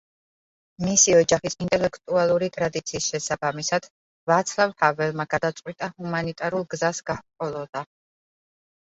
მისი ოჯახის ინტელექტუალური ტრადიციის შესაბამისად, ვაცლავ ჰაველმა გადაწყვიტა ჰუმანიტარულ გზას გაჰყოლოდა.